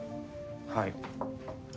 はい。